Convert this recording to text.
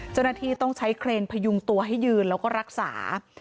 เจ้าหน้าที่ต้องใช้เครนพยุงตัวให้ยืนแล้วก็รักษา